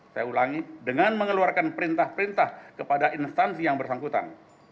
saya ulangi dengan mengeluarkan perintah perintah kepada instansi yang bersangkutan